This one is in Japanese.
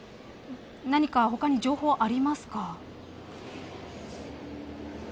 何か他に情報はありますか。